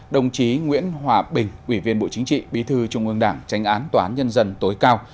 đồng chí nguyễn hòa bình ủy viên bộ chính trị bí thư trung ương đảng tránh án tòa án nhân dân tối cao